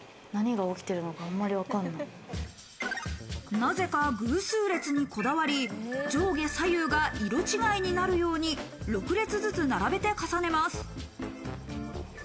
なぜか偶数列にこだわり、上下左右が色違いになるように６列ずつ並べて重ねます。